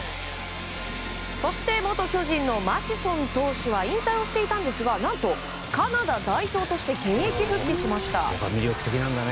そして元巨人のマシソン投手は引退をしていたんですが何と、カナダ代表として現役復帰しました。